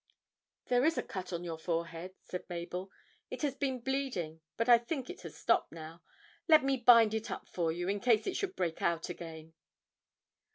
'There is a cut on your forehead,' said Mabel; 'it has been bleeding, but I think it has stopped now. Let me bind it up for you in case it should break out again.'